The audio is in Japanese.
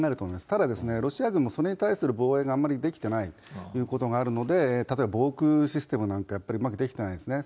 ただロシア軍も、それに対する防衛があまりできてないということがあるので、例えば、防空システムなんかやっぱりうまくできてないですね。